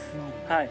はい。